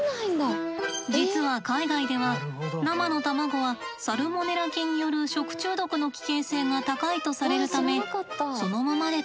実は海外では生の卵はサルモネラ菌による食中毒の危険性が高いとされるためそのままで食べることは少ないんです。